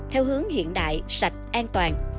theo hướng hiện đại sạch an toàn